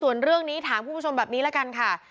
ส่วนเรื่องนี้ถามคุณผู้ชมแบบนี้ละกันค่ะ